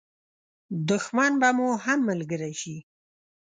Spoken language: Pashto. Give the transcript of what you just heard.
دښمن به مو هم ملګری شي.